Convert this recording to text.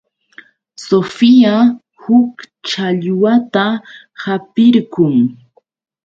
Sofía huk challwata hapirqun.